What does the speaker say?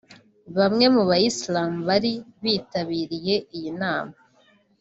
Bamwe mu bayisilamu bari bitabiriye iyi nama